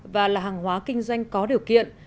và là hàng hóa kinh doanh có điều kiện